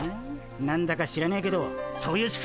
なんだか知らねえけどそういう仕組み？